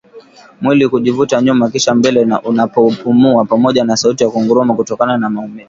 Mwili kujivuta nyuma kisha mbele anapopumua pamoja na sauti ya kunguruma kutokana na maumivu